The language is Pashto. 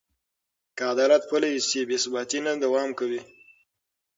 که عدالت پلی شي، بې ثباتي نه دوام کوي.